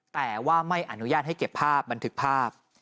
แต่ว่าไม่อนุญาตให้เก็บภาพบันทึกภาพ